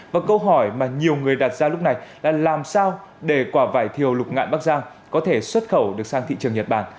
và câu hỏi mà nhiều người đặt ra lúc này là làm sao để quả vải thiều lục ngạn bắc giang có thể xuất khẩu được sang thị trường nhật bản